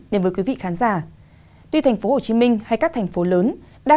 đến với quý vị khán giả